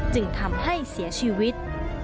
จึงทำให้เสียชีวิต